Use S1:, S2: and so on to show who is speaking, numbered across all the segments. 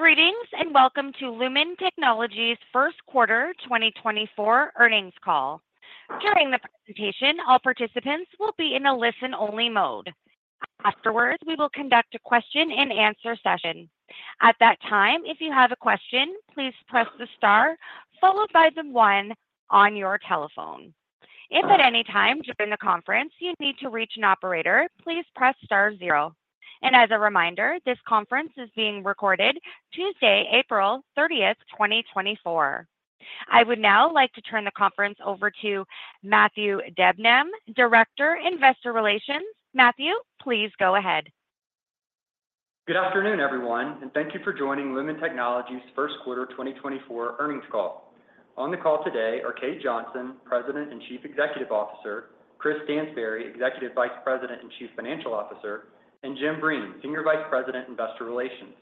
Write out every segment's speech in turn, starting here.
S1: Greetings and welcome to Lumen Technologies' first quarter 2024 earnings call. During the presentation, all participants will be in a listen-only mode. Afterwards, we will conduct a question-and-answer session. At that time, if you have a question, please press the star followed by the 1 on your telephone. If at any time during the conference you need to reach an operator, please press star 0. And as a reminder, this conference is being recorded Tuesday, April 30th, 2024. I would now like to turn the conference over to Matthew Debnam, Director, Investor Relations. Matthew, please go ahead.
S2: Good afternoon, everyone, and thank you for joining Lumen Technologies' first quarter 2024 earnings call. On the call today are Kate Johnson, President and Chief Executive Officer; Chris Stansbury, Executive Vice President and Chief Financial Officer; and Jim Breen, Senior Vice President, Investor Relations.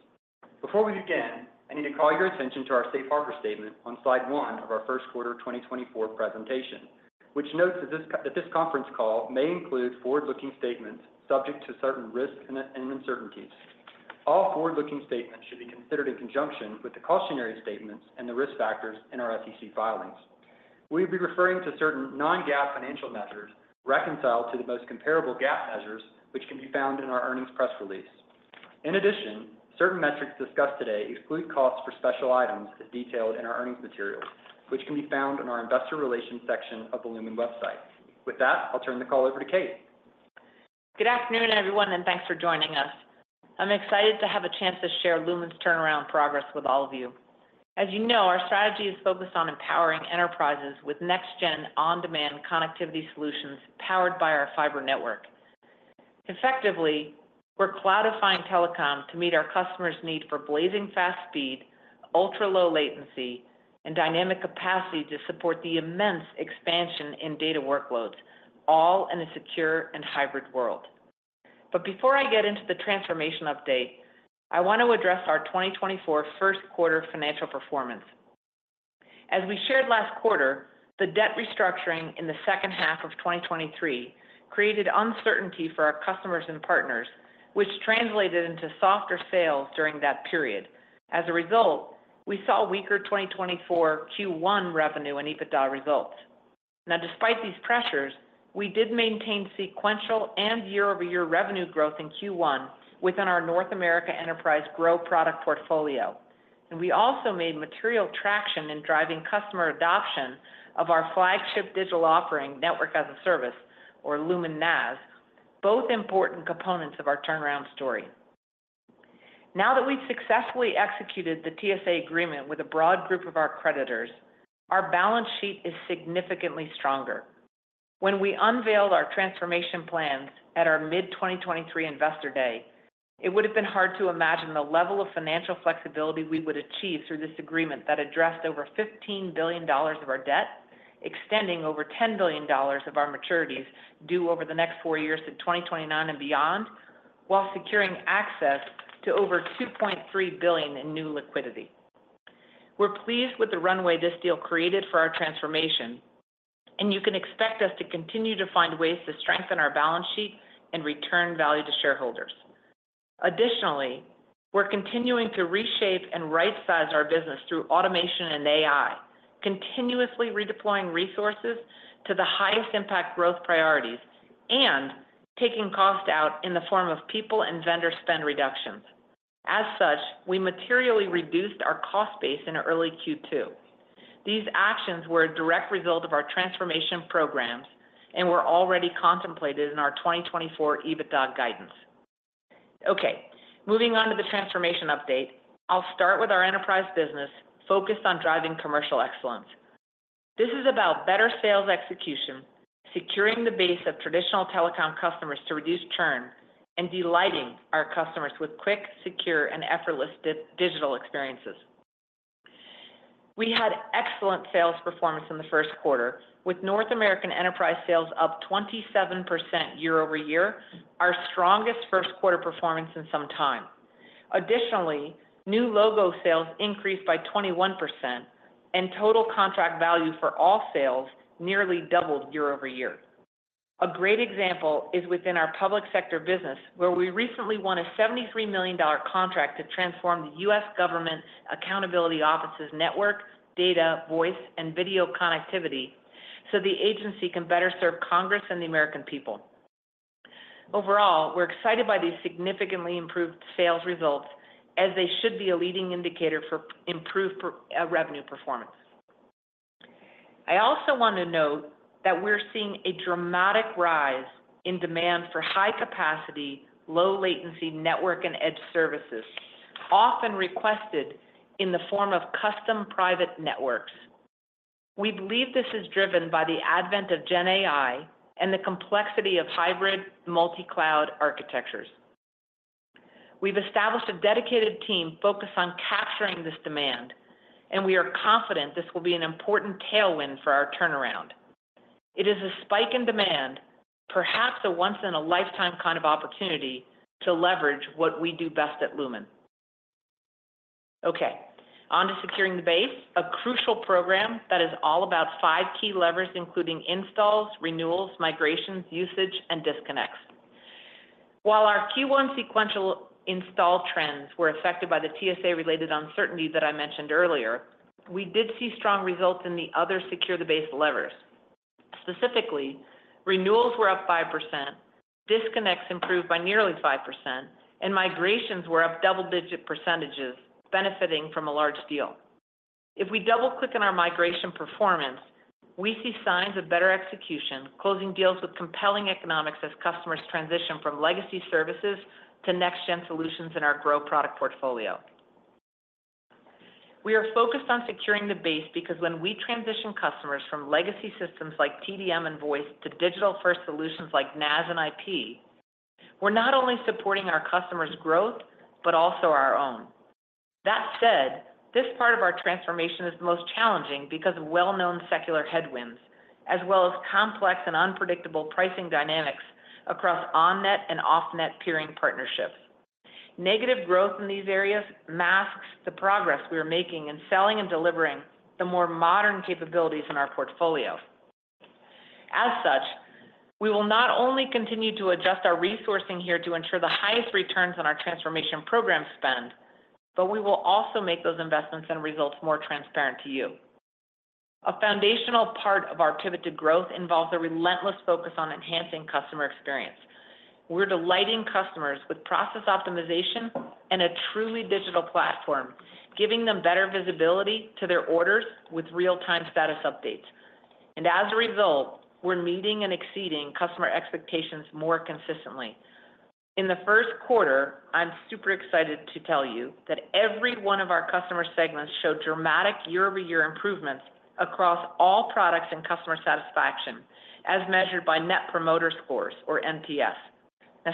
S2: Before we begin, I need to call your attention to our Safe Harbor Statement on slide one of our first quarter 2024 presentation, which notes that this conference call may include forward-looking statements subject to certain risks and uncertainties. All forward-looking statements should be considered in conjunction with the cautionary statements and the risk factors in our SEC filings. We will be referring to certain non-GAAP financial measures reconciled to the most comparable GAAP measures, which can be found in our earnings press release. In addition, certain metrics discussed today exclude costs for special items as detailed in our earnings materials, which can be found in our Investor Relations section of the Lumen website. With that, I'll turn the call over to Kate.
S3: Good afternoon, everyone, and thanks for joining us. I'm excited to have a chance to share Lumen's turnaround progress with all of you. As you know, our strategy is focused on empowering enterprises with next-gen on-demand connectivity solutions powered by our fiber network. Effectively, we're cloudifying telecom to meet our customers' need for blazing-fast speed, ultra-low latency, and dynamic capacity to support the immense expansion in data workloads, all in a secure and hybrid world. But before I get into the transformation update, I want to address our 2024 first quarter financial performance. As we shared last quarter, the debt restructuring in the second half of 2023 created uncertainty for our customers and partners, which translated into softer sales during that period. As a result, we saw weaker 2024 Q1 revenue and EBITDA results. Now, despite these pressures, we did maintain sequential and year-over-year revenue growth in Q1 within our North America Enterprise Growth Product portfolio, and we also made material traction in driving customer adoption of our flagship digital offering, Network as a Service, or Lumen net adds, both important components of our turnaround story. Now that we've successfully executed the TSA agreement with a broad group of our creditors, our balance sheet is significantly stronger. When we unveiled our transformation plans at our mid-2023 Investor Day, it would have been hard to imagine the level of financial flexibility we would achieve through this agreement that addressed over $15 billion of our debt, extending over $10 billion of our maturities due over the next four years in 2029 and beyond, while securing access to over $2.3 billion in new liquidity. We're pleased with the runway this deal created for our transformation, and you can expect us to continue to find ways to strengthen our balance sheet and return value to shareholders. Additionally, we're continuing to reshape and right-size our business through automation and AI, continuously redeploying resources to the highest-impact growth priorities and taking costs out in the form of people and vendor spend reductions. As such, we materially reduced our cost base in early Q2. These actions were a direct result of our transformation programs and were already contemplated in our 2024 EBITDA guidance. Okay, moving on to the transformation update, I'll start with our enterprise business focused on driving commercial excellence. This is about better sales execution, securing the base of traditional telecom customers to reduce churn, and delighting our customers with quick, secure, and effortless digital experiences. We had excellent sales performance in the first quarter, with North American Enterprise sales up 27% year-over-year, our strongest first-quarter performance in some time. Additionally, new logo sales increased by 21%, and total contract value for all sales nearly doubled year-over-year. A great example is within our Public Sector business, where we recently won a $73 million contract to transform the U.S. Government Accountability Office's network, data, voice, and video connectivity so the agency can better serve Congress and the American people. Overall, we're excited by these significantly improved sales results, as they should be a leading indicator for improved revenue performance. I also want to note that we're seeing a dramatic rise in demand for high-capacity, low-latency network and edge services, often requested in the form of custom private networks. We believe this is driven by the advent of Gen AI and the complexity of hybrid multicloud architectures. We've established a dedicated team focused on capturing this demand, and we are confident this will be an important tailwind for our turnaround. It is a spike in demand, perhaps a once-in-a-lifetime kind of opportunity to leverage what we do best at Lumen. Okay, on to securing the base, a crucial program that is all about five key levers, including installs, renewals, migrations, usage, and disconnects. While our Q1 sequential install trends were affected by the TSA-related uncertainty that I mentioned earlier, we did see strong results in the other secure-the-base levers. Specifically, renewals were up 5%, disconnects improved by nearly 5%, and migrations were up double-digit percentages, benefiting from a large deal. If we double-click on our migration performance, we see signs of better execution, closing deals with compelling economics as customers transition from legacy services to next-gen solutions in our Growth Product portfolio. We are focused on securing the base because when we transition customers from legacy systems like TDM and voice to digital-first solutions like NaaS and IP, we're not only supporting our customers' growth but also our own. That said, this part of our transformation is the most challenging because of well-known secular headwinds as well as complex and unpredictable pricing dynamics across on-net and off-net peering partnerships. Negative growth in these areas masks the progress we are making in selling and delivering the more modern capabilities in our portfolio. As such, we will not only continue to adjust our resourcing here to ensure the highest returns on our transformation program spend, but we will also make those investments and results more transparent to you. A foundational part of our pivot to growth involves a relentless focus on enhancing customer experience. We're delighting customers with process optimization and a truly digital platform, giving them better visibility to their orders with real-time status updates. And as a result, we're meeting and exceeding customer expectations more consistently. In the first quarter, I'm super excited to tell you that every one of our customer segments showed dramatic year-over-year improvements across all products and customer satisfaction as measured by Net Promoter Scores, or NPS. Now,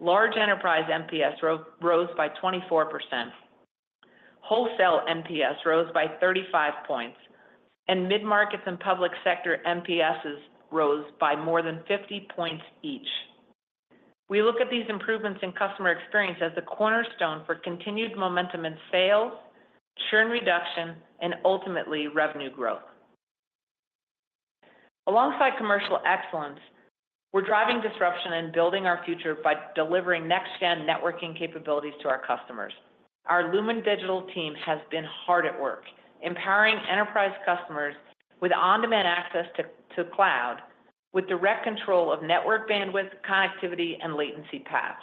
S3: Large Enterprise NPS rose by 24%, Wholesale NPS rose by 35 points, and Mid-Markets and Public Sector NPSs rose by more than 50 points each. We look at these improvements in customer experience as the cornerstone for continued momentum in sales, churn reduction, and ultimately revenue growth. Alongside commercial excellence, we're driving disruption and building our future by delivering next-gen networking capabilities to our customers. Our Lumen Digital team has been hard at work empowering enterprise customers with on-demand access to cloud with direct control of network bandwidth, connectivity, and latency paths.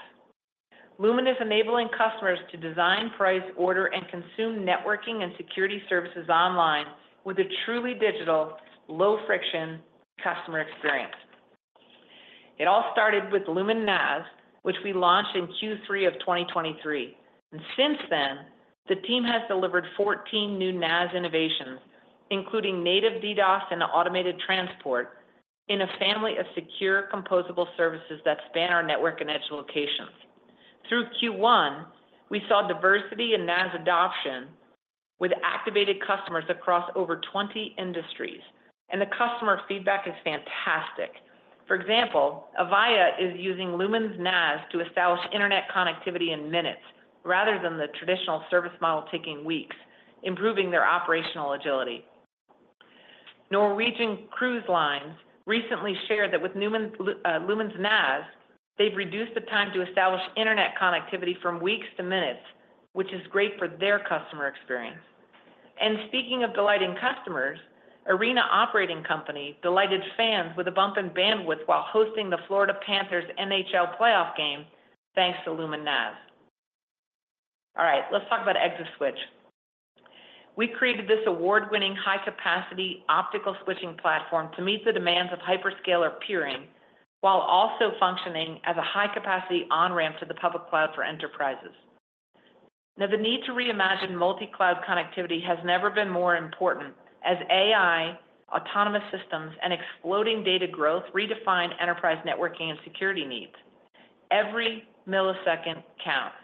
S3: Lumen is enabling customers to design, price, order, and consume networking and security services online with a truly digital, low-friction customer experience. It all started with Lumen NaaS, which we launched in Q3 of 2023. Since then, the team has delivered 14 new NaaS innovations, including native DDoS and automated transport, in a family of secure composable services that span our network and edge locations. Through Q1, we saw diversity in NaaS adoption with activated customers across over 20 industries, and the customer feedback is fantastic. For example, Avaya is using Lumen's NaaS to establish internet connectivity in minutes rather than the traditional service model taking weeks, improving their operational agility. Norwegian Cruise Line recently shared that with Lumen's NaaS, they've reduced the time to establish internet connectivity from weeks to minutes, which is great for their customer experience. Speaking of delighting customers, Arena Operating Company delighted fans with a bump in bandwidth while hosting the Florida Panthers' NHL playoff game thanks to Lumen NaaS. All right, let's talk about ExaSwitch. We created this award-winning high-capacity optical switching platform to meet the demands of hyperscaler peering while also functioning as a high-capacity on-ramp to the public cloud for enterprises. Now, the need to reimagine multicloud connectivity has never been more important as AI, autonomous systems, and exploding data growth redefine enterprise networking and security needs. Every millisecond counts.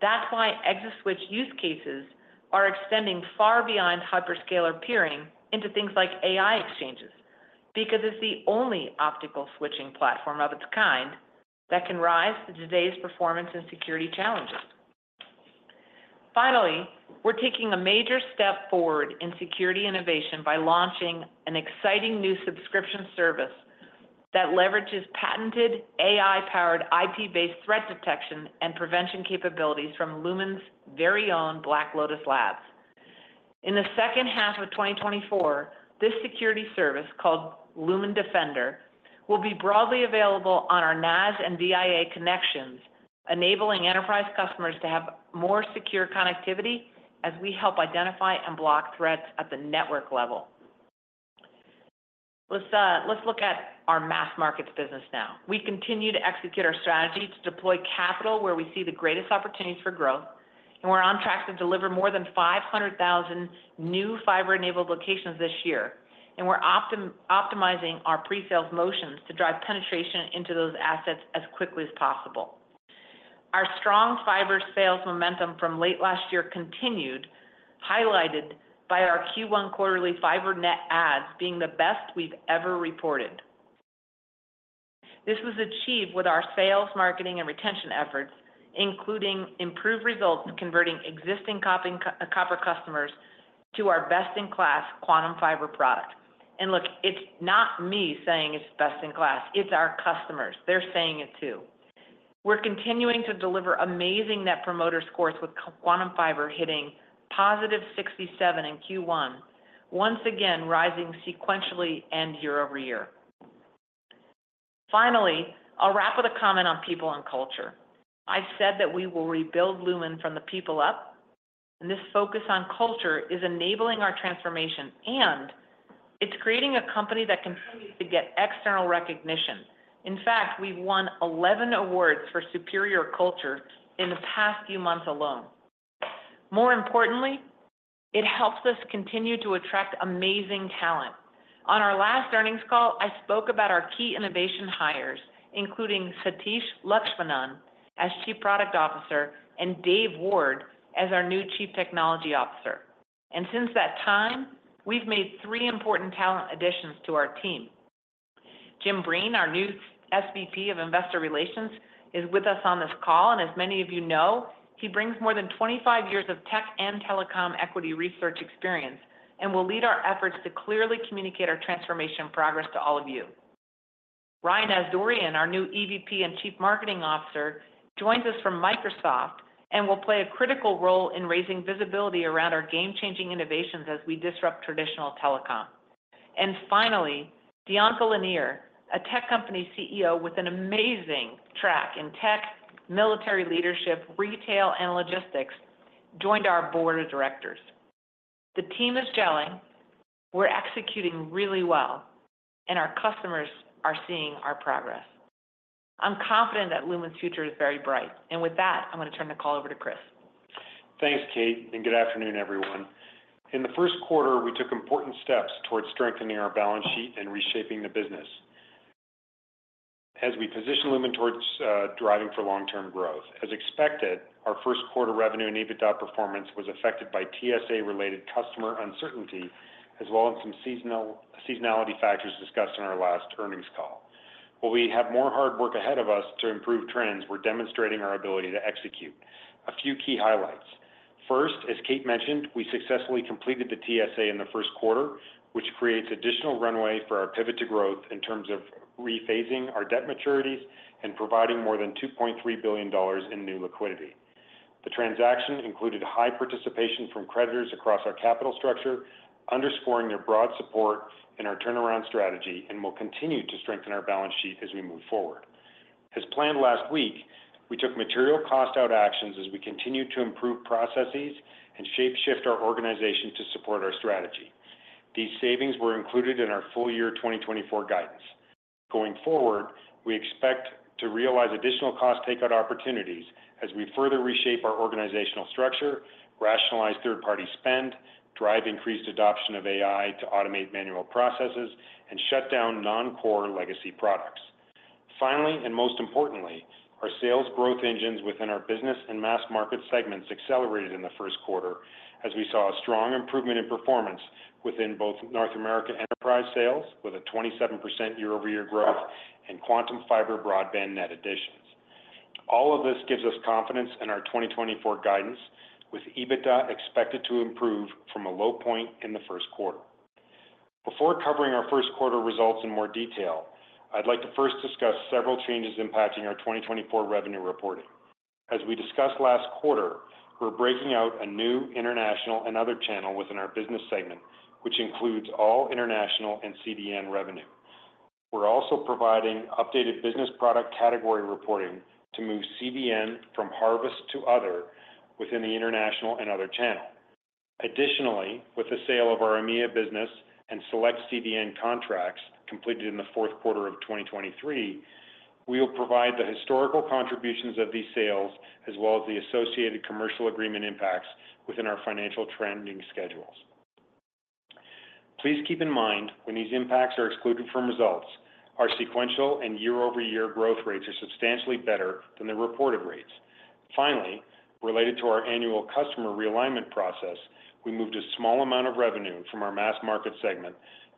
S3: That's why ExaSwitch use cases are extending far beyond hyperscaler peering into things like AI exchanges because it's the only optical switching platform of its kind that can rise to today's performance and security challenges. Finally, we're taking a major step forward in security innovation by launching an exciting new subscription service that leverages patented AI-powered IP-based threat detection and prevention capabilities from Lumen's very own Black Lotus Labs. In the second half of 2024, this security service called Lumen Defender will be broadly available on our NaaS and VPN connections, enabling enterprise customers to have more secure connectivity as we help identify and block threats at the network level. Let's look at Mass Markets business now. We continue to execute our strategy to deploy capital where we see the greatest opportunities for growth, and we're on track to deliver more than 500,000 new fiber-enabled locations this year. We're optimizing our presales motions to drive penetration into those assets as quickly as possible. Our strong fiber sales momentum from late last year continued, highlighted by our Q1 quarterly fiber net adds being the best we've ever reported. This was achieved with our sales, marketing, and retention efforts, including improved results converting existing copper customers to our best-in-class Quantum Fiber product. And look, it's not me saying it's best-in-class. It's our customers. They're saying it too. We're continuing to deliver amazing Net Promoter Scores with Quantum Fiber hitting positive 67 in Q1, once again rising sequentially and year-over-year. Finally, I'll wrap with a comment on people and culture. I've said that we will rebuild Lumen from the people up, and this focus on culture is enabling our transformation, and it's creating a company that continues to get external recognition. In fact, we've won 11 awards for superior culture in the past few months alone. More importantly, it helps us continue to attract amazing talent. On our last earnings call, I spoke about our key innovation hires, including Satish Lakshmanan as Chief Product Officer and Dave Ward as our new Chief Technology Officer. Since that time, we've made three important talent additions to our team. Jim Breen, our new SVP of Investor Relations, is with us on this call, and as many of you know, he brings more than 25 years of tech and telecom equity research experience and will lead our efforts to clearly communicate our transformation progress to all of you. Ryan Asdourian, our new EVP and Chief Marketing Officer, joins us from Microsoft and will play a critical role in raising visibility around our game-changing innovations as we disrupt traditional telecom. And finally, Diankha Linear, a tech company CEO with an amazing track in tech, military leadership, retail, and logistics, joined our board of directors. The team is gelling. We're executing really well, and our customers are seeing our progress. I'm confident that Lumen's future is very bright. And with that, I'm going to turn the call over to Chris.
S4: Thanks, Kate, and good afternoon, everyone. In the first quarter, we took important steps towards strengthening our balance sheet and reshaping the business as we positioned Lumen towards driving for long-term growth. As expected, our first-quarter revenue and EBITDA performance was affected by TSA-related customer uncertainty as well as some seasonality factors discussed in our last earnings call. While we have more hard work ahead of us to improve trends, we're demonstrating our ability to execute. A few key highlights. First, as Kate mentioned, we successfully completed the TSA in the first quarter, which creates additional runway for our pivot to growth in terms of rephasing our debt maturities and providing more than $2.3 billion in new liquidity. The transaction included high participation from creditors across our capital structure, underscoring their broad support in our turnaround strategy and will continue to strengthen our balance sheet as we move forward. As planned last week, we took material cost-out actions as we continue to improve processes and shape-shift our organization to support our strategy. These savings were included in our full-year 2024 guidance. Going forward, we expect to realize additional cost takeout opportunities as we further reshape our organizational structure, rationalize third-party spend, drive increased adoption of AI to automate manual processes, and shut down non-core legacy products. Finally, and most importantly, our sales growth engines within our business and mass market segments accelerated in the first quarter as we saw a strong improvement in performance within both North America Enterprise sales with a 27% year-over-year growth and Quantum Fiber broadband net additions. All of this gives us confidence in our 2024 guidance, with EBITDA expected to improve from a low point in the first quarter. Before covering our first quarter results in more detail, I'd like to first discuss several changes impacting our 2024 revenue reporting. As we discussed last quarter, we're breaking out a new International and Other channel within our Business segment, which includes all international and CDN revenue. We're also providing updated business product category reporting to move CDN from Harvest to other within the International and Other channel. Additionally, with the sale of our EMEA business and select CDN contracts completed in the fourth quarter of 2023, we will provide the historical contributions of these sales as well as the associated commercial agreement impacts within our financial trending schedules. Please keep in mind, when these impacts are excluded from results, our sequential and year-over-year growth rates are substantially better than the reported rates. Finally, related to our annual customer realignment process, we moved a small amount of revenue from our mass market segment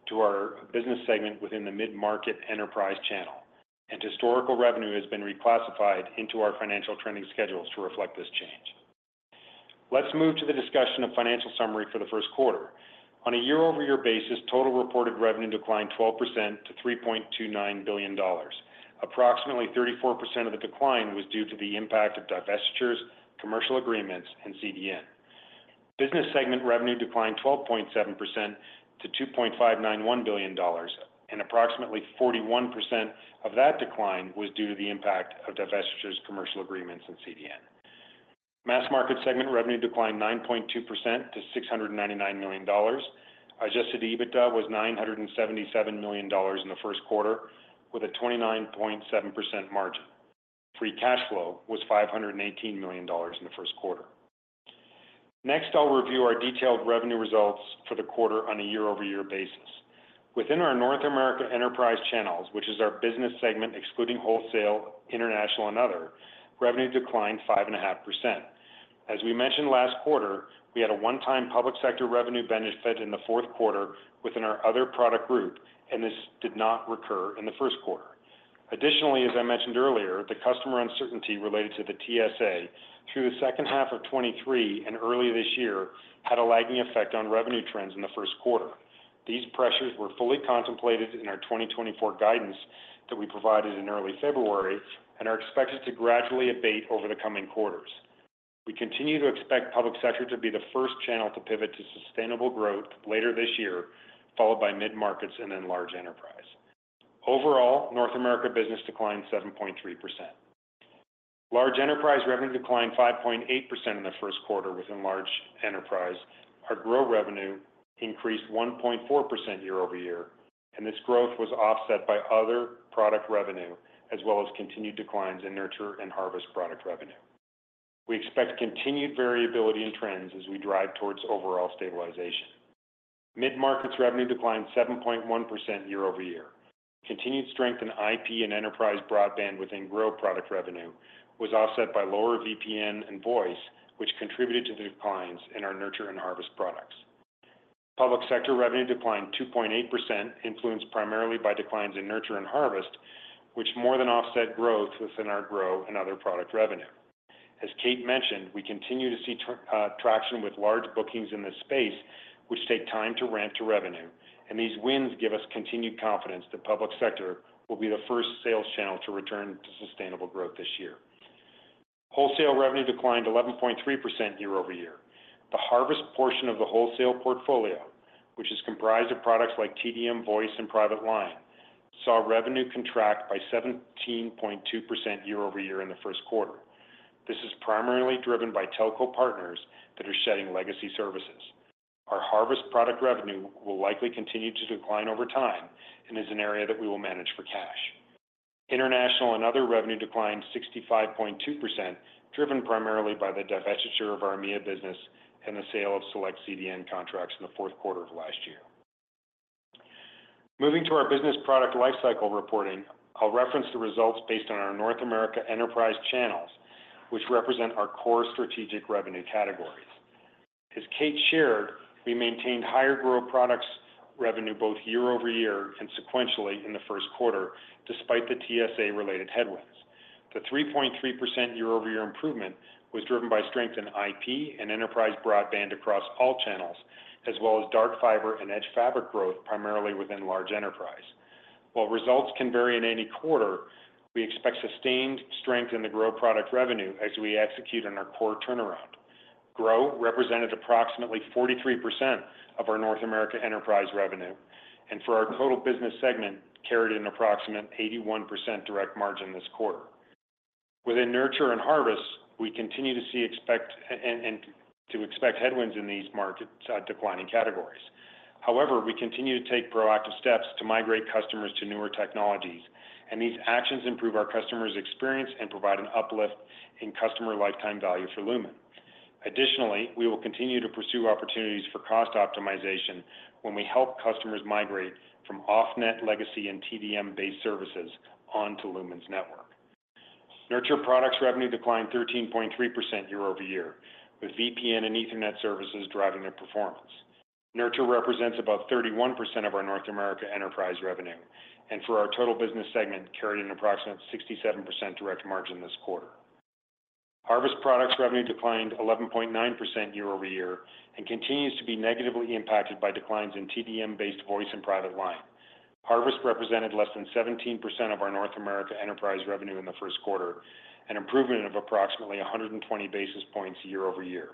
S4: to our Business segment within the Mid-Market Enterprise channel, and historical revenue has been reclassified into our financial trending schedules to reflect this change. Let's move to the discussion of financial summary for the first quarter. On a year-over-year basis, total reported revenue declined 12% to $3.29 billion. Approximately 34% of the decline was due to the impact of divestitures, commercial agreements, and CDN. Business segment revenue declined 12.7% to $2.591 billion, and approximately 41% of that decline was due to the impact of divestitures, commercial agreements, and CDN. Mass market segment revenue declined 9.2% to $699 million. Adjusted EBITDA was $977 million in the first quarter with a 29.7% margin. Free cash flow was $518 million in the first quarter. Next, I'll review our detailed revenue results for the quarter on a year-over-year basis. Within our North America Enterprise channels, which is our Business segment excluding Wholesale, international, and other, revenue declined 5.5%. As we mentioned last quarter, we had a one-time Public Sector revenue benefit in the fourth quarter within our other product group, and this did not recur in the first quarter. Additionally, as I mentioned earlier, the customer uncertainty related to the TSA through the second half of 2023 and early this year had a lagging effect on revenue trends in the first quarter. These pressures were fully contemplated in our 2024 guidance that we provided in early February and are expected to gradually abate over the coming quarters. We continue to expect Public Sector to be the first channel to pivot to sustainable growth later this year, followed by Mid-Markets and then Large Enterprise. Overall, North America business declined Large Enterprise revenue declined 5.8% in the first quarter Large Enterprise. our growth revenue increased 1.4% year-over-year, and this growth was offset by other product revenue as well as continued declines in Nurture and Harvest product revenue. We expect continued variability in trends as we drive towards overall stabilization. Mid-Markets revenue declined 7.1% year-over-year. Continued strength in IP and enterprise broadband within growth product revenue was offset by lower VPN and voice, which contributed to the declines in our Nurture and Harvest products. Public Sector revenue declined 2.8%, influenced primarily by declines in Nurture and Harvest, which more than offset growth within our growth and other product revenue. As Kate mentioned, we continue to see traction with large bookings in this space, which take time to ramp to revenue, and these wins give us continued confidence that Public Sector will be the first sales channel to return to sustainable growth this year. Wholesale revenue declined 11.3% year-over-year. The Harvest portion of the Wholesale portfolio, which is comprised of products like TDM, voice, and private line, saw revenue contract by 17.2% year-over-year in the first quarter. This is primarily driven by telco partners that are shedding legacy services. Our Harvest product revenue will likely continue to decline over time and is an area that we will manage for cash. International and Other revenue declined 65.2%, driven primarily by the divestiture of our EMEA business and the sale of select CDN contracts in the fourth quarter of last year. Moving to our business product lifecycle reporting, I'll reference the results based on our North America Enterprise channels, which represent our core strategic revenue categories. As Kate shared, we maintained higher growth products revenue both year-over-year and sequentially in the first quarter despite the TSA-related headwinds. The 3.3% year-over-year improvement was driven by strength in IP and enterprise broadband across all channels, as well as dark fiber and edge fabric growth primarily Large Enterprise. while results can vary in any quarter, we expect sustained strength in the growth product revenue as we execute on our core turnaround. Growth represented approximately 43% of our North America Enterprise revenue and for our total Business segment carried an approximate 81% direct margin this quarter. Within Nurture and Harvest, we continue to expect headwinds in these declining categories. However, we continue to take proactive steps to migrate customers to newer technologies, and these actions improve our customers' experience and provide an uplift in customer lifetime value for Lumen. Additionally, we will continue to pursue opportunities for cost optimization when we help customers migrate from off-net legacy and TDM-based services onto Lumen's network. Nurture products revenue declined 13.3% year-over-year, with VPN and Ethernet services driving their performance. Nurture represents about 31% of our North America Enterprise revenue and for our total Business segment carried an approximate 67% direct margin this quarter. Harvest products revenue declined 11.9% year-over-year and continues to be negatively impacted by declines in TDM-based voice and private line. Harvest represented less than 17% of our North America Enterprise revenue in the first quarter and improvement of approximately 120 basis points year-over-year.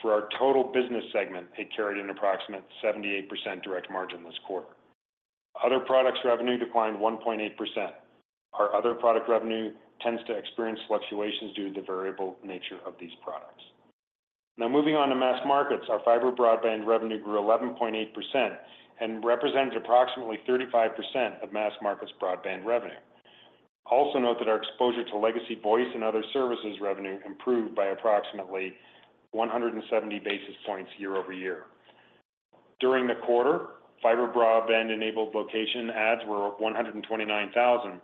S4: For our total Business segment, it carried an approximate 78% direct margin this quarter. Other products revenue declined 1.8%. Our other product revenue tends to experience fluctuations due to the variable nature of these products. Now, moving on Mass Markets, our fiber broadband revenue grew 11.8% and represented approximately 35% Mass Markets broadband revenue. Also note that our exposure to legacy voice and other services revenue improved by approximately 170 basis points year-over-year. During the quarter, fiber broadband-enabled location adds were 129,000,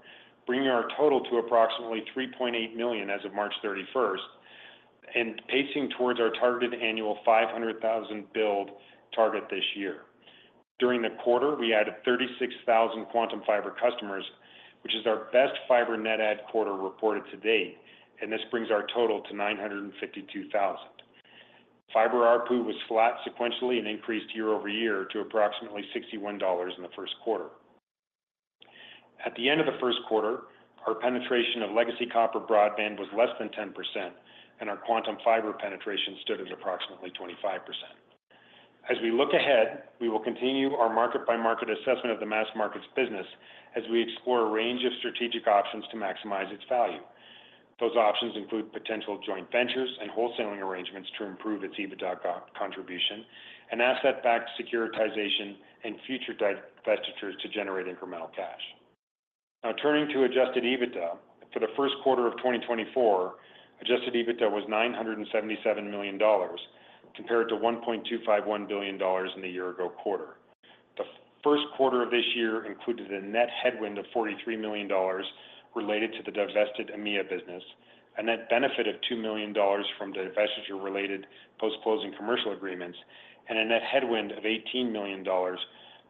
S4: bringing our total to approximately 3.8 million as of March 31st and pacing towards our targeted annual 500,000 build target this year. During the quarter, we added 36,000 Quantum Fiber customers, which is our best fiber net add quarter reported to date, and this brings our total to 952,000. Fiber ARPU was flat sequentially and increased year-over-year to approximately $61 in the first quarter. At the end of the first quarter, our penetration of legacy copper broadband was less than 10%, and our Quantum Fiber penetration stood at approximately 25%. As we look ahead, we will continue our market-by-market assessment of Mass Markets business as we explore a range of strategic options to maximize its value. Those options include potential joint ventures and wholesaling arrangements to improve its EBITDA contribution and asset-backed securitization and future divestitures to generate incremental cash. Now, turning to adjusted EBITDA for the first quarter of 2024, adjusted EBITDA was $977 million compared to $1.251 billion in the year-ago quarter. The first quarter of this year included a net headwind of $43 million related to the divested EMEA business, a net benefit of $2 million from divestiture-related post-closing commercial agreements, and a net headwind of $18 million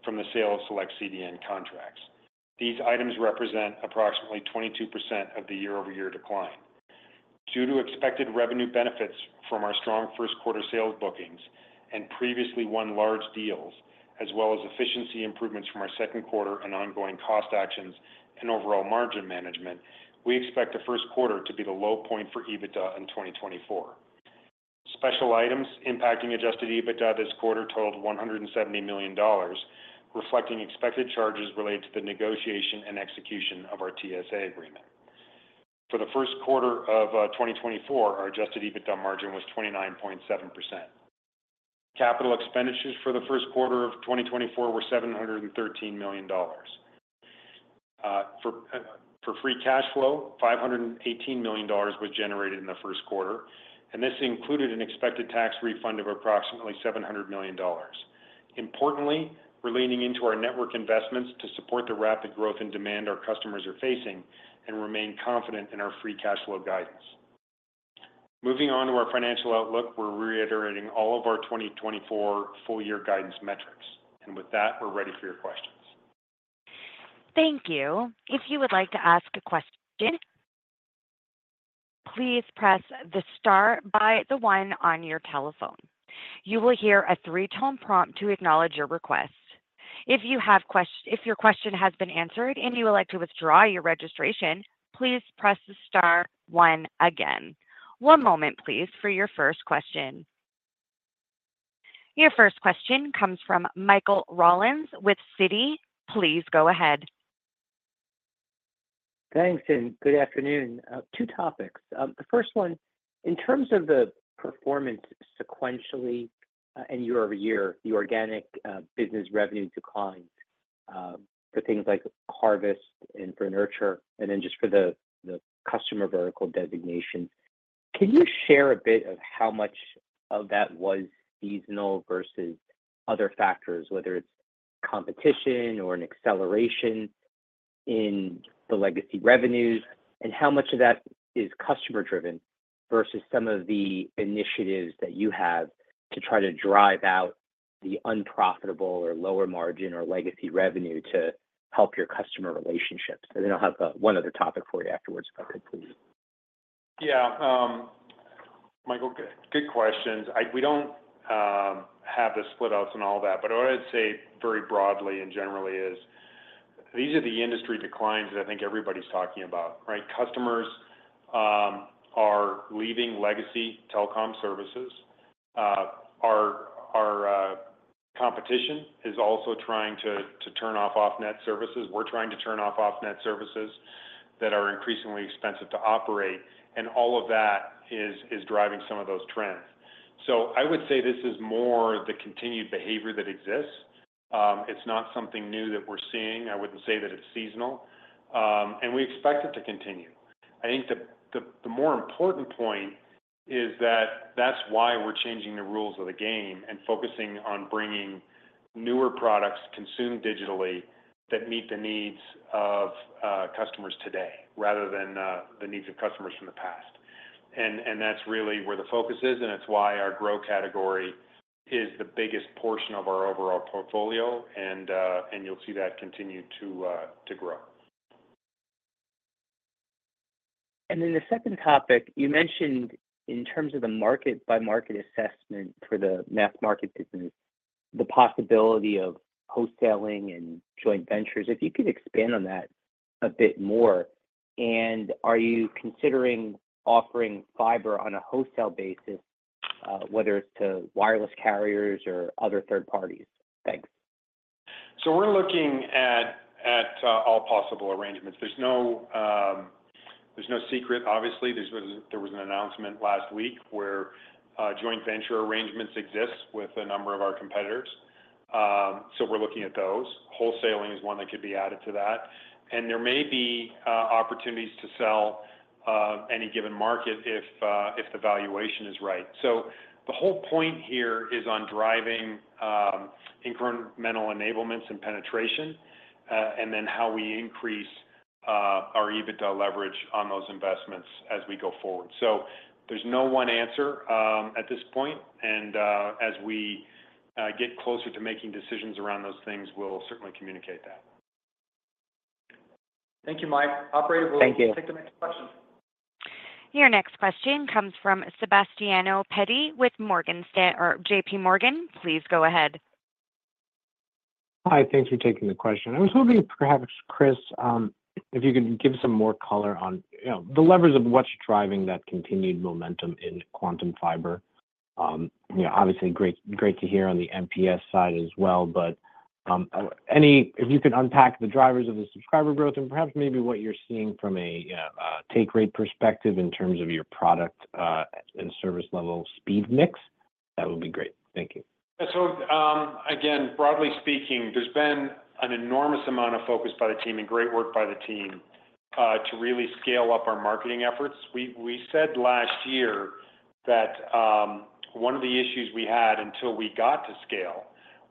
S4: from the sale of select CDN contracts. These items represent approximately 22% of the year-over-year decline. Due to expected revenue benefits from our strong first-quarter sales bookings and previously won large deals, as well as efficiency improvements from our second quarter and ongoing cost actions and overall margin management, we expect the first quarter to be the low point for EBITDA in 2024. Special items impacting adjusted EBITDA this quarter totaled $170 million, reflecting expected charges related to the negotiation and execution of our TSA agreement. For the first quarter of 2024, our adjusted EBITDA margin was 29.7%. Capital expenditures for the first quarter of 2024 were $713 million. For free cash flow, $518 million was generated in the first quarter, and this included an expected tax refund of approximately $700 million. Importantly, we're leaning into our network investments to support the rapid growth and demand our customers are facing and remain confident in our free cash flow guidance. Moving on to our financial outlook, we're reiterating all of our 2024 full-year guidance metrics. With that, we're ready for your questions.
S1: Thank you. If you would like to ask a question, please press the star by the one on your telephone. You will hear a three-tone prompt to acknowledge your request. If your question has been answered and you elect to withdraw your registration, please press the star one again. One moment, please, for your first question. Your first question comes from Michael Rollins with Citi. Please go ahead.
S5: Thanks, and good afternoon. Two topics. The first one, in terms of the performance sequentially and year over year, the organic business revenue declines for things like Harvest and for Nurture, and then just for the customer vertical designations. Can you share a bit of how much of that was seasonal versus other factors, whether it's competition or an acceleration in the legacy revenues, and how much of that is customer-driven versus some of the initiatives that you have to try to drive out the unprofitable or lower margin or legacy revenue to help your customer relationships? And then I'll have one other topic for you afterwards if I could, please.
S4: Yeah, Michael, good questions. We don't have the split-outs and all that, but what I'd say very broadly and generally is these are the industry declines that I think everybody's talking about, right? Customers are leaving legacy telecom services. Our competition is also trying to turn off off-net services. We're trying to turn off off-net services that are increasingly expensive to operate, and all of that is driving some of those trends. So I would say this is more the continued behavior that exists. It's not something new that we're seeing. I wouldn't say that it's seasonal. And we expect it to continue. I think the more important point is that that's why we're changing the rules of the game and focusing on bringing newer products consumed digitally that meet the needs of customers today rather than the needs of customers from the past. That's really where the focus is, and it's why our growth category is the biggest portion of our overall portfolio, and you'll see that continue to grow.
S5: And then the second topic, you mentioned in terms of the market-by-market assessment for the mass market business, the possibility of wholesaling and joint ventures. If you could expand on that a bit more. And are you considering offering fiber on a Wholesale basis, whether it's to wireless carriers or other third parties? Thanks.
S4: So we're looking at all possible arrangements. There's no secret, obviously. There was an announcement last week where joint venture arrangements exist with a number of our competitors. So we're looking at those. Wholesaling is one that could be added to that. And there may be opportunities to sell any given market if the valuation is right. So the whole point here is on driving incremental enablements and penetration, and then how we increase our EBITDA leverage on those investments as we go forward. So there's no one answer at this point. And as we get closer to making decisions around those things, we'll certainly communicate that.
S5: Thank you, Mike. Operator will take the next question.
S1: Your next question comes from Sebastiano Petti with JPMorgan. Please go ahead.
S6: Hi. Thanks for taking the question. I was hoping, perhaps, Chris, if you could give some more color on the levers of what's driving that continued momentum in Quantum Fiber. Obviously, great to hear on the MPLS side as well, but if you could unpack the drivers of the subscriber growth and perhaps maybe what you're seeing from a take-rate perspective in terms of your product and service level speed mix, that would be great. Thank you.
S4: Yeah. So again, broadly speaking, there's been an enormous amount of focus by the team and great work by the team to really scale up our marketing efforts. We said last year that one of the issues we had until we got to scale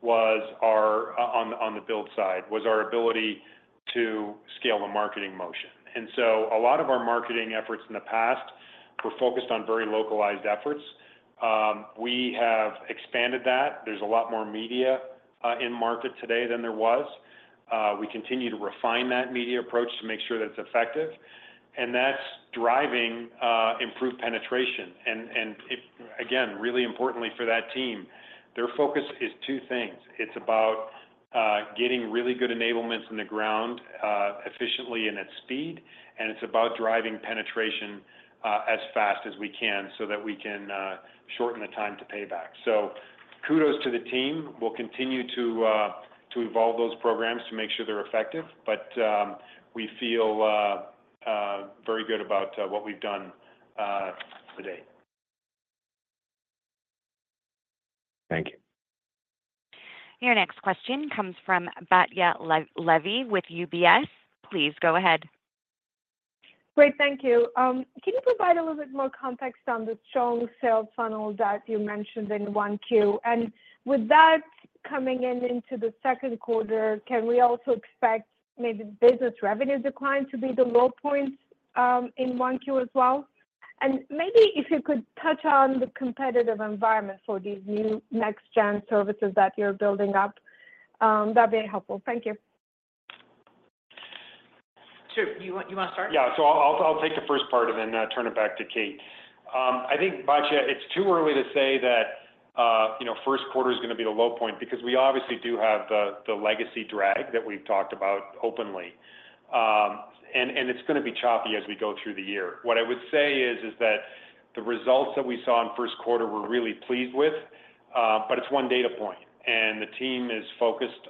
S4: on the build side was our ability to scale the marketing motion. And so a lot of our marketing efforts in the past were focused on very localized efforts. We have expanded that. There's a lot more media in market today than there was. We continue to refine that media approach to make sure that it's effective. And that's driving improved penetration. And again, really importantly for that team, their focus is two things. It's about getting really good enablements in the ground efficiently and at speed, and it's about driving penetration as fast as we can so that we can shorten the time to payback. Kudos to the team. We'll continue to evolve those programs to make sure they're effective, but we feel very good about what we've done to date.
S6: Thank you.
S1: Your next question comes from Batya Levi with UBS. Please go ahead.
S7: Great. Thank you. Can you provide a little bit more context on the strong sales funnel that you mentioned in 1Q? And with that coming in into the second quarter, can we also expect maybe business revenue decline to be the low point in 1Q as well? And maybe if you could touch on the competitive environment for these new next-gen services that you're building up, that'd be helpful. Thank you.
S2: Sure. You want to start?
S4: Yeah. So I'll take the first part and then turn it back to Kate. I think, Batya, it's too early to say that first quarter is going to be the low point because we obviously do have the legacy drag that we've talked about openly. And it's going to be choppy as we go through the year. What I would say is that the results that we saw in first quarter we're really pleased with, but it's one data point. And the team is focused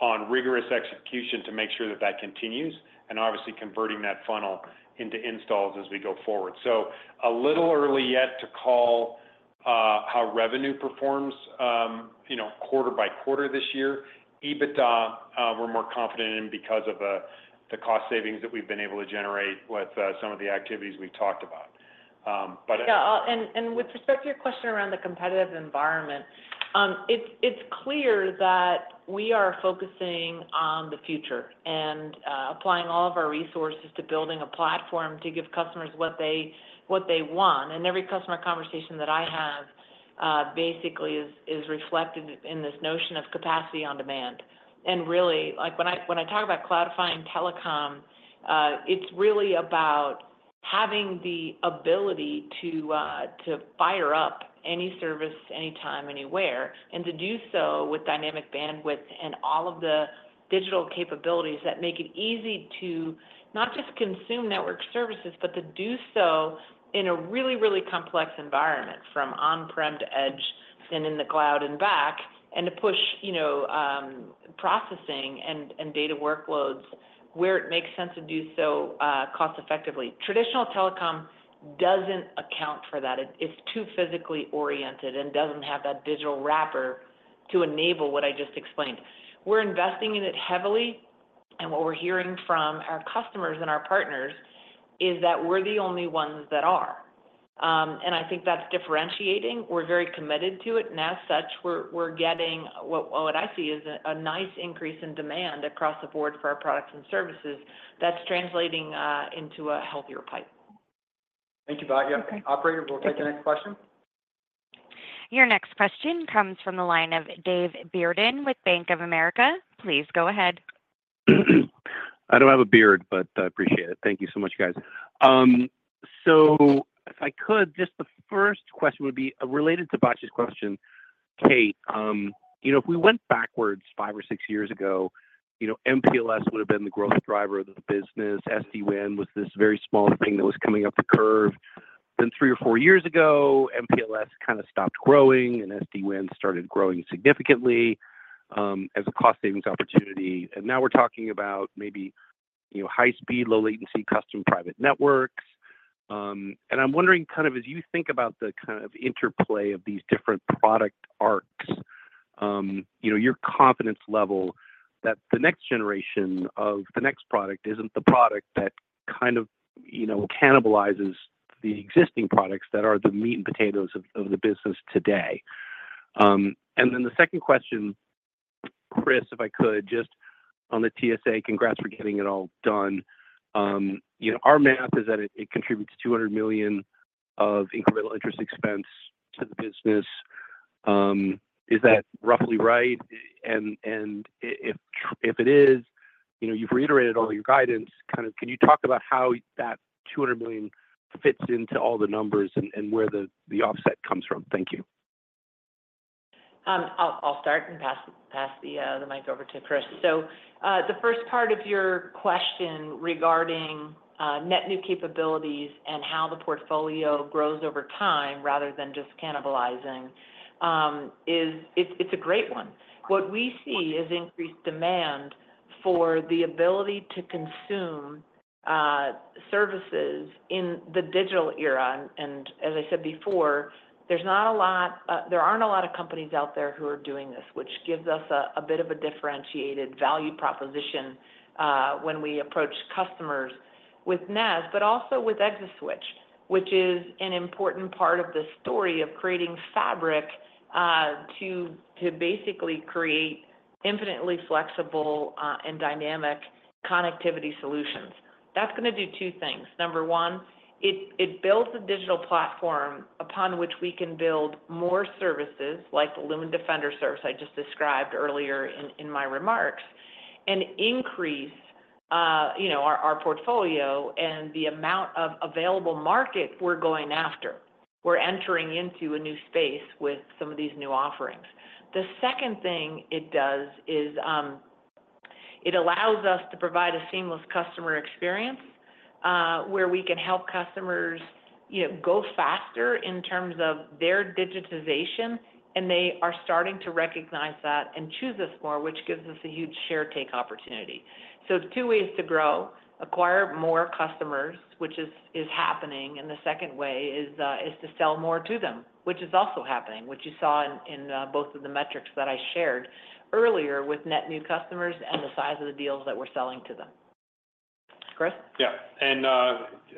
S4: on rigorous execution to make sure that that continues, and obviously converting that funnel into installs as we go forward. So a little early yet to call how revenue performs quarter by quarter this year. EBITDA, we're more confident in because of the cost savings that we've been able to generate with some of the activities we've talked about. But.
S3: Yeah. With respect to your question around the competitive environment, it's clear that we are focusing on the future and applying all of our resources to building a platform to give customers what they want. Every customer conversation that I have basically is reflected in this notion of capacity on demand. Really, when I talk about cloudifying telecom, it's really about having the ability to fire up any service, anytime, anywhere, and to do so with dynamic bandwidth and all of the digital capabilities that make it easy to not just consume network services, but to do so in a really, really complex environment from on-prem to edge and in the cloud and back, and to push processing and data workloads where it makes sense to do so cost-effectively. Traditional telecom doesn't account for that. It's too physically oriented and doesn't have that digital wrapper to enable what I just explained. We're investing in it heavily, and what we're hearing from our customers and our partners is that we're the only ones that are. I think that's differentiating. We're very committed to it. As such, we're getting what I see is a nice increase in demand across the board for our products and services that's translating into a healthier pipeline.
S2: Thank you, Batya. Operator, we'll take the next question.
S1: Your next question comes from the line of David Barden with Bank of America. Please go ahead.
S8: I don't have a beard, but I appreciate it. Thank you so much, guys. So if I could, just the first question would be related to Batya's question, Kate. If we went backwards five or six years ago, MPLS would have been the growth driver of the business. SD-WAN was this very small thing that was coming up the curve. Then three or four years ago, MPLS kind of stopped growing, and SD-WAN started growing significantly as a cost-savings opportunity. And now we're talking about maybe high-speed, low-latency, custom private networks. And I'm wondering, kind of as you think about the kind of interplay of these different product arcs, your confidence level that the next generation of the next product isn't the product that kind of cannibalizes the existing products that are the meat and potatoes of the business today. And then the second question, Chris, if I could, just on the TSA, congrats for getting it all done. Our math is that it contributes $200 million of incremental interest expense to the business. Is that roughly right? And if it is, you've reiterated all your guidance. Kind of can you talk about how that $200 million fits into all the numbers and where the offset comes from? Thank you.
S3: I'll start and pass the mic over to Chris. So the first part of your question regarding net new capabilities and how the portfolio grows over time rather than just cannibalizing is a great one. What we see is increased demand for the ability to consume services in the digital era. And as I said before, there aren't a lot of companies out there who are doing this, which gives us a bit of a differentiated value proposition when we approach customers with NaaS, but also with ExaSwitch, which is an important part of the story of creating fabric to basically create infinitely flexible and dynamic connectivity solutions. That's going to do two things. Number one, it builds a digital platform upon which we can build more services like the Lumen Defender service I just described earlier in my remarks and increase our portfolio and the amount of available market we're going after. We're entering into a new space with some of these new offerings. The second thing it does is it allows us to provide a seamless customer experience where we can help customers go faster in terms of their digitization, and they are starting to recognize that and choose us more, which gives us a huge share-take opportunity. So two ways to grow: acquire more customers, which is happening, and the second way is to sell more to them, which is also happening, which you saw in both of the metrics that I shared earlier with net new customers and the size of the deals that we're selling to them. Chris?
S4: Yeah. And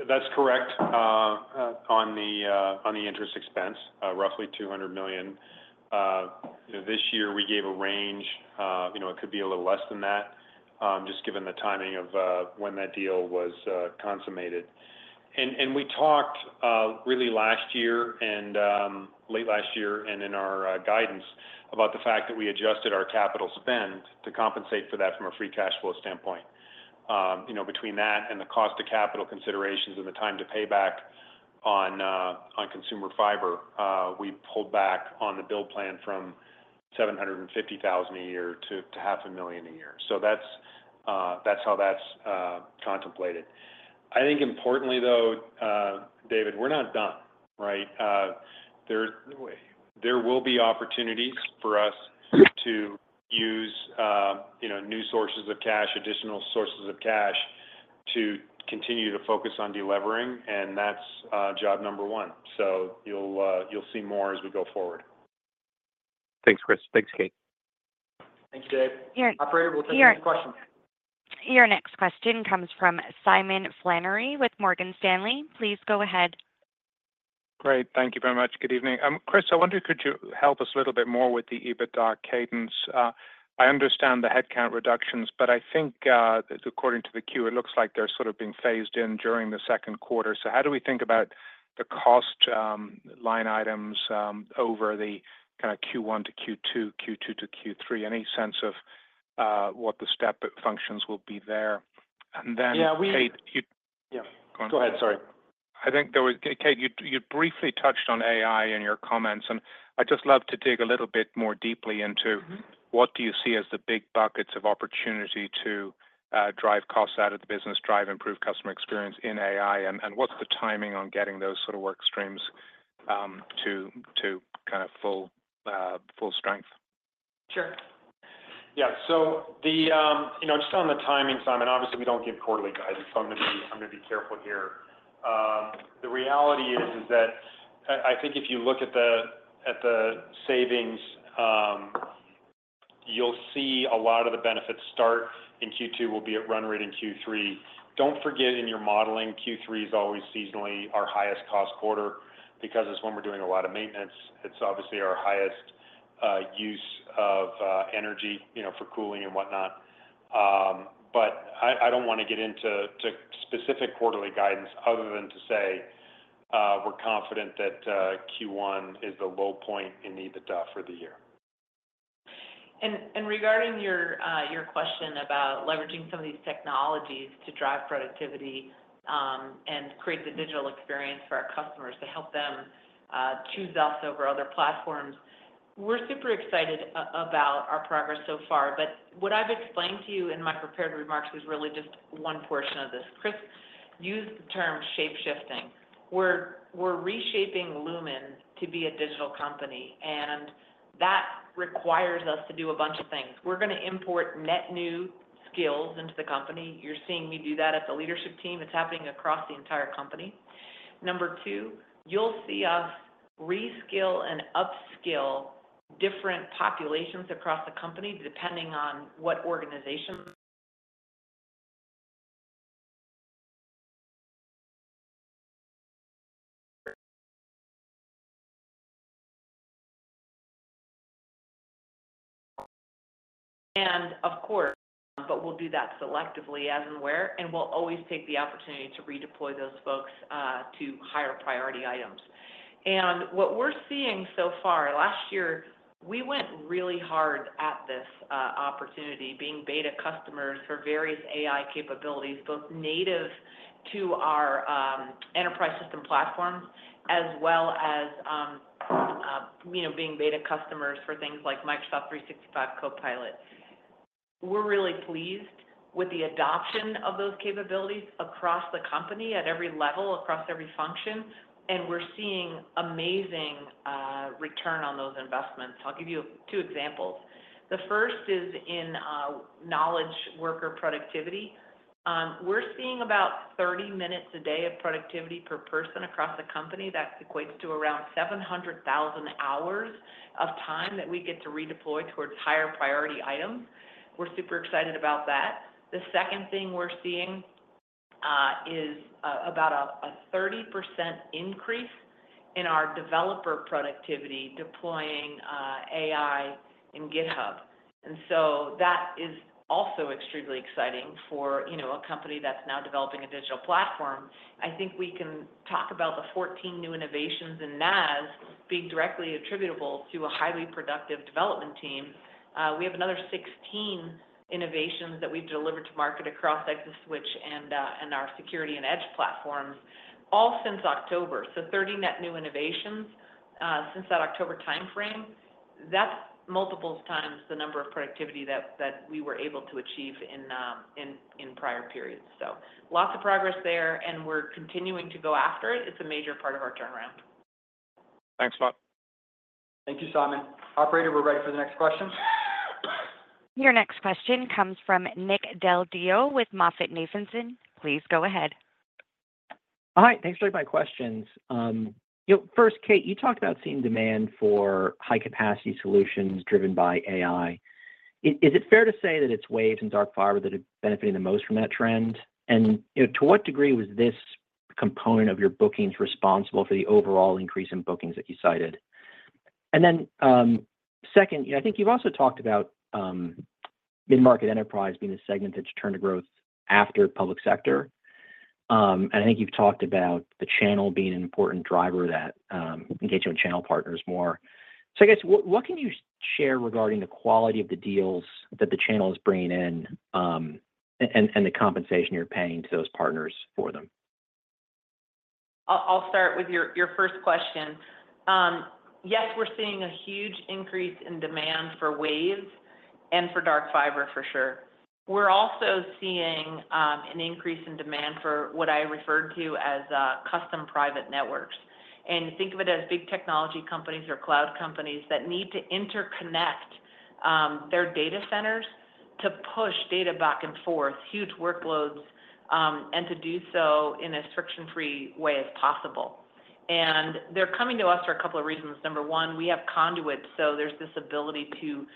S4: that's correct on the interest expense, roughly $200 million. This year, we gave a range. It could be a little less than that just given the timing of when that deal was consummated. And we talked really last year and late last year and in our guidance about the fact that we adjusted our capital spend to compensate for that from a free cash flow standpoint. Between that and the cost of capital considerations and the time to payback on consumer fiber, we pulled back on the build plan from 750,000 a year to 500,000 a year. So that's how that's contemplated. I think importantly, though, David, we're not done, right? There will be opportunities for us to use new sources of cash, additional sources of cash to continue to focus on delivering, and that's job number one. So you'll see more as we go forward.
S8: Thanks, Chris. Thanks, Kate.
S2: Thank you, Dave. Operator, we'll take the next question.
S1: Your next question comes from Simon Flannery with Morgan Stanley. Please go ahead.
S9: Great. Thank you very much. Good evening. Chris, I wonder, could you help us a little bit more with the EBITDA cadence? I understand the headcount reductions, but I think according to the queue, it looks like they're sort of being phased in during the second quarter. So how do we think about the cost line items over the kind of Q1 to Q2, Q2 to Q3? Any sense of what the step functions will be there? And then, Kate, you go on. Yeah. Go ahead. Sorry. I think, Kate, you briefly touched on AI in your comments, and I'd just love to dig a little bit more deeply into what do you see as the big buckets of opportunity to drive costs out of the business, drive improved customer experience in AI, and what's the timing on getting those sort of workstreams to kind of full strength?
S3: Sure.
S4: Yeah. So just on the timing, Simon, obviously, we don't give quarterly guidance, so I'm going to be careful here. The reality is that I think if you look at the savings, you'll see a lot of the benefits start in Q2, will be at run rate in Q3. Don't forget, in your modeling, Q3 is always seasonally our highest cost quarter because it's when we're doing a lot of maintenance. It's obviously our highest use of energy for cooling and whatnot. But I don't want to get into specific quarterly guidance other than to say we're confident that Q1 is the low point in EBITDA for the year.
S3: Regarding your question about leveraging some of these technologies to drive productivity and create the digital experience for our customers to help them choose us over other platforms, we're super excited about our progress so far. But what I've explained to you in my prepared remarks is really just one portion of this. Chris used the term shape-shifting. We're reshaping Lumen to be a digital company, and that requires us to do a bunch of things. We're going to import net new skills into the company. You're seeing me do that at the leadership team. It's happening across the entire company. Number two, you'll see us reskill and upskill different populations across the company depending on what organization. And of course. But we'll do that selectively as and where, and we'll always take the opportunity to redeploy those folks to higher priority items. And what we're seeing so far, last year, we went really hard at this opportunity, being beta customers for various AI capabilities, both native to our enterprise system platforms as well as being beta customers for things like Microsoft 365 Copilot. We're really pleased with the adoption of those capabilities across the company at every level, across every function, and we're seeing amazing return on those investments. I'll give you two examples. The first is in knowledge worker productivity. We're seeing about 30 minutes a day of productivity per person across the company. That equates to around 700,000 hours of time that we get to redeploy towards higher priority items. We're super excited about that. The second thing we're seeing is about a 30% increase in our developer productivity deploying AI in GitHub. And so that is also extremely exciting for a company that's now developing a digital platform. I think we can talk about the 14 new innovations in NaaS being directly attributable to a highly productive development team. We have another 16 innovations that we've delivered to market across ExaSwitch and our security and edge platforms, all since October. So 30 net new innovations since that October timeframe. That's multiple times the number of productivity that we were able to achieve in prior periods. So lots of progress there, and we're continuing to go after it. It's a major part of our turnaround.
S9: Thanks, Matt.
S2: Thank you, Simon. Operator, we're ready for the next question.
S1: Your next question comes from Nick Del Deo with MoffettNathanson. Please go ahead.
S10: All right. Thanks for taking my questions. First, Kate, you talked about seeing demand for high-capacity solutions driven by AI. Is it fair to say that it's Wave and Dark Fiber that are benefiting the most from that trend? And to what degree was this component of your bookings responsible for the overall increase in bookings that you cited? And then second, I think you've also talked about Mid-Market Enterprise being the segment that's turned to growth after Public Sector. And I think you've talked about the channel being an important driver of that, engaging with channel partners more. So I guess, what can you share regarding the quality of the deals that the channel is bringing in and the compensation you're paying to those partners for them?
S3: I'll start with your first question. Yes, we're seeing a huge increase in demand for Wave and for Dark Fiber, for sure. We're also seeing an increase in demand for what I referred to as custom private networks. And think of it as big technology companies or cloud companies that need to interconnect their data centers to push data back and forth, huge workloads, and to do so in a friction-free way as possible. And they're coming to us for a couple of reasons. Number one, we have conduit, so there's this ability to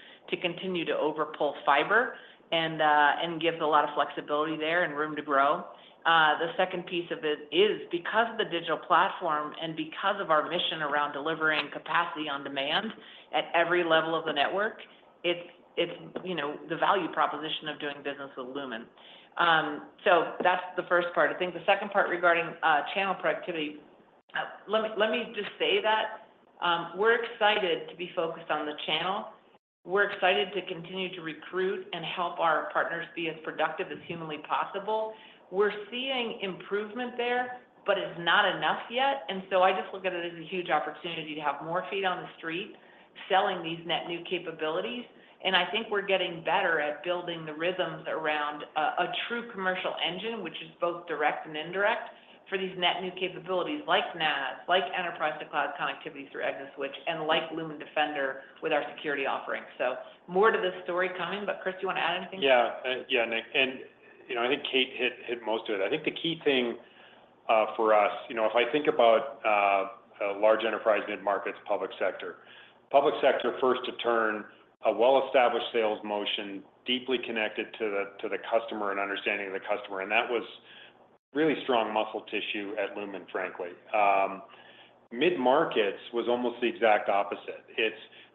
S3: continue to overpull fiber and give a lot of flexibility there and room to grow. The second piece of it is because of the digital platform and because of our mission around delivering capacity on demand at every level of the network, it's the value proposition of doing business with Lumen. So that's the first part. I think the second part regarding channel productivity, let me just say that. We're excited to be focused on the channel. We're excited to continue to recruit and help our partners be as productive as humanly possible. We're seeing improvement there, but it's not enough yet. And so I just look at it as a huge opportunity to have more feet on the street selling these net new capabilities. And I think we're getting better at building the rhythms around a true commercial engine, which is both direct and indirect, for these net new capabilities like NaaS, like enterprise-to-cloud connectivity through ExaSwitch, and like Lumen Defender with our security offerings. So more to this story coming. But Chris, do you want to add anything?
S4: Yeah. Yeah, Nick. And I think Kate hit most of it. I think the key thing for us, if I think Large Enterprise, mid-markets, Public Sector, Public Sector first to turn a well-established sales motion deeply connected to the customer and understanding of the customer. And that was really strong muscle tissue at Lumen, frankly. Mid-Markets was almost the exact opposite.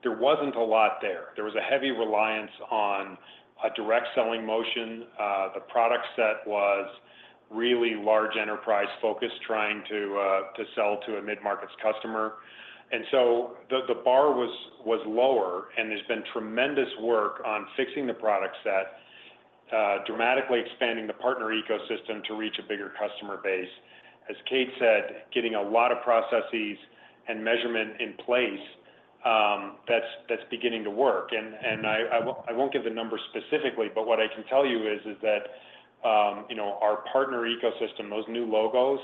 S4: There wasn't a lot there. There was a heavy reliance on a direct selling motion. The product set was Large Enterprise-focused, trying to sell to a Mid-Markets customer. And so the bar was lower, and there's been tremendous work on fixing the product set, dramatically expanding the partner ecosystem to reach a bigger customer base. As Kate said, getting a lot of processes and measurement in place, that's beginning to work. And I won't give the numbers specifically, but what I can tell you is that our partner ecosystem, those new logos,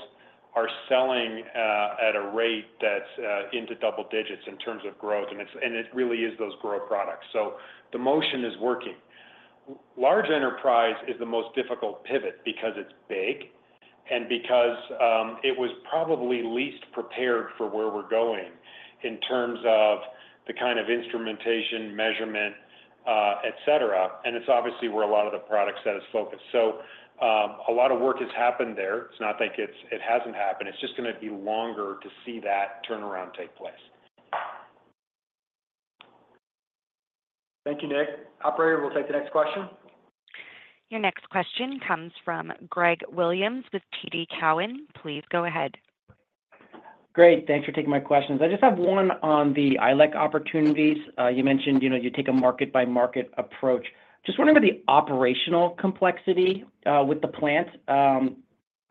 S4: are selling at a rate that's into double digits in terms of growth, and it really is those growth products. So the motion is Large Enterprise is the most difficult pivot because it's big and because it was probably least prepared for where we're going in terms of the kind of instrumentation, measurement, etc. And it's obviously where a lot of the product set is focused. So a lot of work has happened there. It's not like it hasn't happened. It's just going to be longer to see that turnaround take place.
S2: Thank you, Nick. Operator, we'll take the next question.
S1: Your next question comes from Greg Williams with TD Cowen. Please go ahead.
S11: Great. Thanks for taking my questions. I just have one on the ILEC opportunities. You mentioned you take a market-by-market approach. Just wondering about the operational complexity with the plants,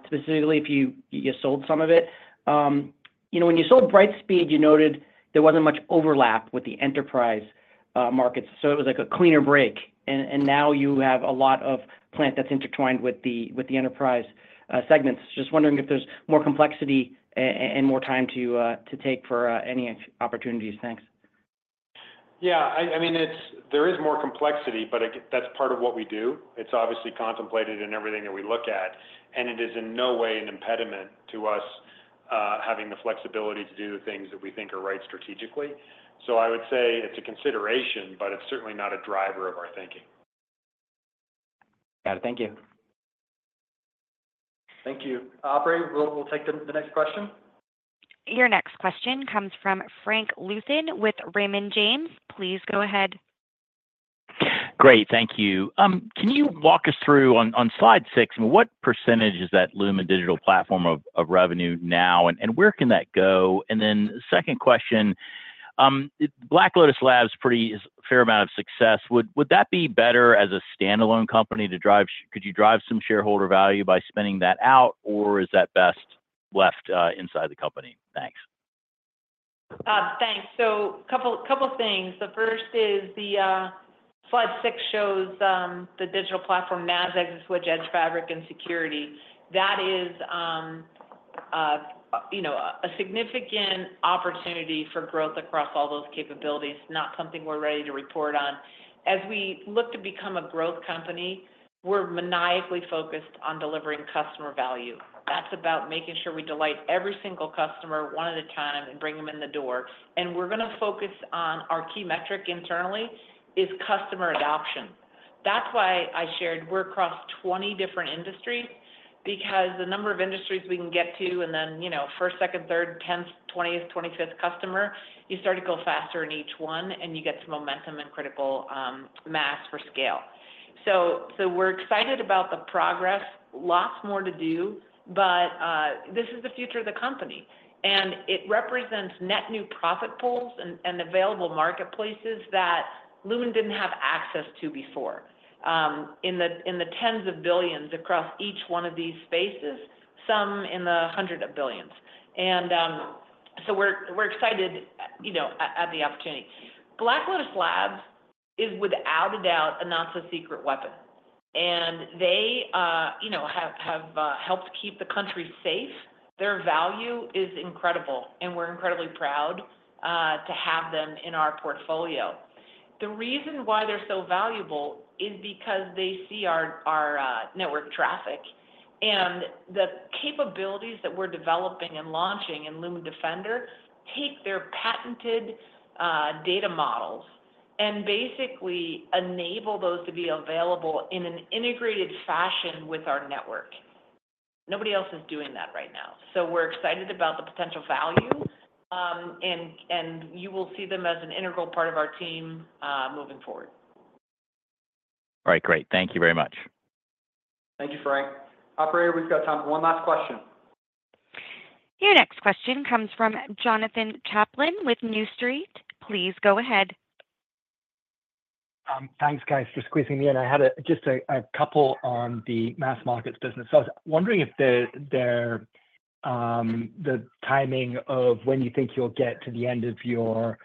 S11: specifically if you sold some of it. When you sold Brightspeed, you noted there wasn't much overlap with the enterprise markets. So it was like a cleaner break. And now you have a lot of plant that's intertwined with the enterprise segments. Just wondering if there's more complexity and more time to take for any opportunities. Thanks.
S4: Yeah. I mean, there is more complexity, but that's part of what we do. It's obviously contemplated in everything that we look at, and it is in no way an impediment to us having the flexibility to do the things that we think are right strategically. So I would say it's a consideration, but it's certainly not a driver of our thinking.
S11: Got it. Thank you.
S2: Thank you. Operator, we'll take the next question.
S1: Your next question comes from Frank Louthan with Raymond James. Please go ahead.
S12: Great. Thank you. Can you walk us through on slide six what percentage is that Lumen Digital Platform of revenue now, and where can that go? And then second question, Black Lotus Labs pretty fair amount of success. Would that be better as a standalone company to drive could you drive some shareholder value by spinning that out, or is that best left inside the company? Thanks.
S3: Thanks. So a couple of things. The first is the slide six shows the digital platform, NaaS, ExaSwitch, Edge Fabric and Security. That is a significant opportunity for growth across all those capabilities, not something we're ready to report on. As we look to become a growth company, we're maniacally focused on delivering customer value. That's about making sure we delight every single customer one at a time and bring them in the door. And we're going to focus on our key metric internally is customer adoption. That's why I shared we're across 20 different industries because the number of industries we can get to and then first, second, third, 10th, 20th, 25th customer, you start to go faster in each one, and you get some momentum and critical mass for scale. So we're excited about the progress. Lots more to do, but this is the future of the company. It represents net new profit pools and available marketplaces that Lumen didn't have access to before in the tens of billions across each one of these spaces, some in the hundreds of billions. So we're excited at the opportunity. Black Lotus Labs is, without a doubt, a not-so-secret weapon. They have helped keep the country safe. Their value is incredible, and we're incredibly proud to have them in our portfolio. The reason why they're so valuable is because they see our network traffic. The capabilities that we're developing and launching in Lumen Defender take their patented data models and basically enable those to be available in an integrated fashion with our network. Nobody else is doing that right now. So we're excited about the potential value, and you will see them as an integral part of our team moving forward.
S12: All right. Great. Thank you very much.
S2: Thank you, Frank. Operator, we've got time for one last question.
S1: Your next question comes from Jonathan Chaplin with New Street. Please go ahead.
S13: Thanks, guys, for squeezing me in. I had just a couple on Mass Markets business. So I was wondering if the timing of when you think you'll get to the end of your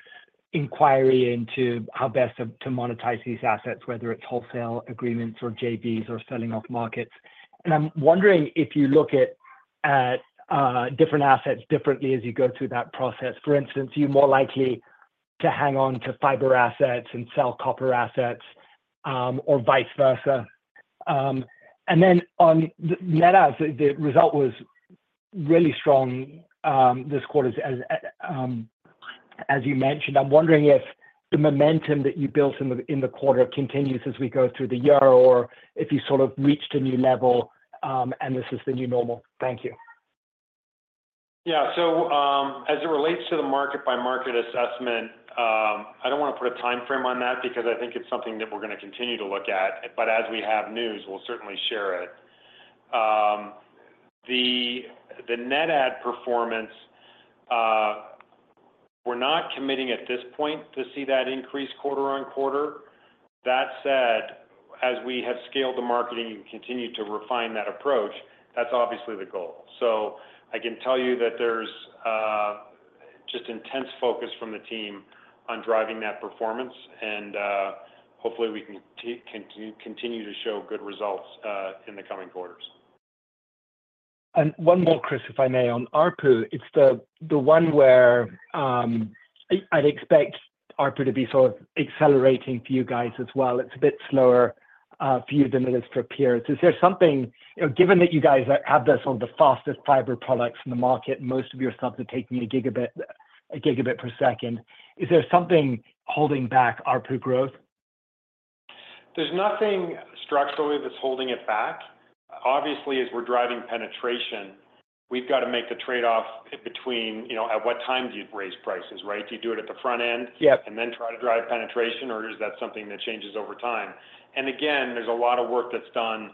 S13: inquiry into how best to monetize these assets, whether it's Wholesale agreements or JVs or selling off markets? And I'm wondering if you look at different assets differently as you go through that process? For instance, are you more likely to hang on to fiber assets and sell copper assets or vice versa? And then on NaaS, the result was really strong this quarter, as you mentioned. I'm wondering if the momentum that you built in the quarter continues as we go through the year or if you sort of reached a new level and this is the new normal? Thank you.
S4: Yeah. So as it relates to the market-by-market assessment, I don't want to put a timeframe on that because I think it's something that we're going to continue to look at. But as we have news, we'll certainly share it. The net add performance, we're not committing at this point to see that increase quarter on quarter. That said, as we have scaled the marketing and continued to refine that approach, that's obviously the goal. So I can tell you that there's just intense focus from the team on driving that performance. And hopefully, we can continue to show good results in the coming quarters.
S13: And one more, Chris, if I may, on ARPU. It's the one where I'd expect ARPU to be sort of accelerating for you guys as well. It's a bit slower for you than it is for peers. Is there something, given that you guys have this on the fastest fiber products in the market and most of your stuff is taking a gigabit per second, is there something holding back ARPU growth?
S4: There's nothing structurally that's holding it back. Obviously, as we're driving penetration, we've got to make the trade-off between at what time do you raise prices, right? Do you do it at the front end and then try to drive penetration, or is that something that changes over time? And again, there's a lot of work that's done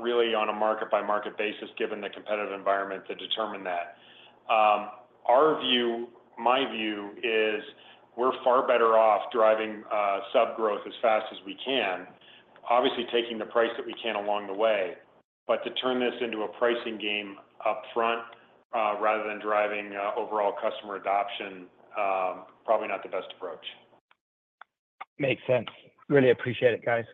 S4: really on a market-by-market basis given the competitive environment to determine that. My view is we're far better off driving subgrowth as fast as we can, obviously taking the price that we can along the way. But to turn this into a pricing game upfront rather than driving overall customer adoption, probably not the best approach.
S13: Makes sense. Really appreciate it, guys.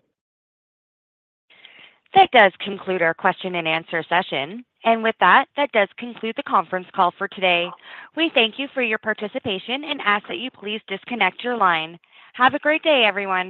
S1: That does conclude our question-and-answer session. With that, that does conclude the conference call for today. We thank you for your participation and ask that you please disconnect your line. Have a great day, everyone.